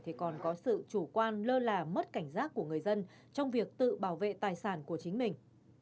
thì còn có sự chủ quan lơ là mất cảnh giác của người dân trong việc tự bảo vệ tài sản của chính mình